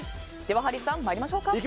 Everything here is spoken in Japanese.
ハリーさん、参りましょうか。